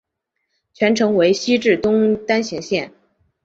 全程为西至东单行线。